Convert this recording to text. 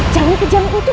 jangan kejam gue tuh